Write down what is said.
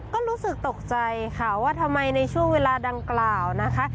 ก็รู้สึกตกใจค่ะว่าทำไมในช่วงเวลาดังกล่าวนะคะ